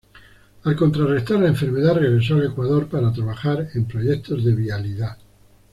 Al contrarrestar la enfermedad regresó al Ecuador para trabajar en proyectos de vialidad.